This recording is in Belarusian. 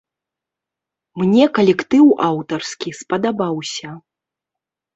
Мне калектыў аўтарскі спадабаўся.